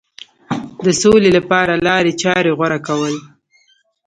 د سولې لپاره لارې چارې غوره کول.